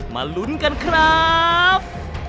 มาลุ้นกันครับ